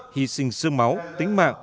hy sinh sương máu tính mạng